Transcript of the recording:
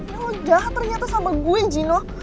lo jahat ternyata sama gue gino